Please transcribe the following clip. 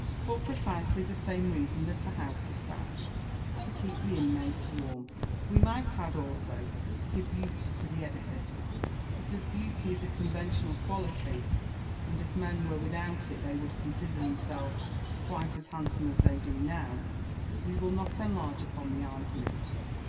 For precisely the same reason that a house is thatched to keep the inmates warm. We might add, also, to give beauty to the edifice. But as beauty is a conventional quality and if men were without it they would consider themselves quite as handsome as they do now we will not enlarge upon the argument.